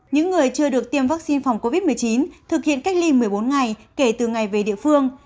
những người chưa được tiêm vaccine phòng covid một mươi chín thực hiện cách ly một mươi bốn ngày kể từ ngày về địa phương